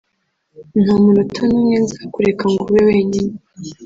nta munota n’umwe nzakureka ngo ube wenyine